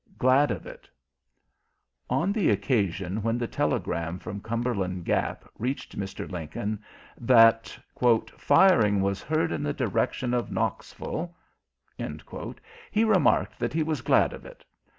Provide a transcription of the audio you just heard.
"GLAD OF IT" On the occasion when the telegram from Cumberland Gap reached Mr. Lincoln that "firing was heard in the direction of Knoxville," he remarked that he was "glad of it."